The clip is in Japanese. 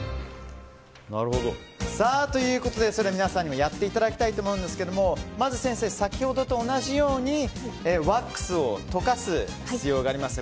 ということで皆さんにもやっていただきたいと思うんですがまず先生、先ほどと同じようにワックスを溶かす必要がありますね。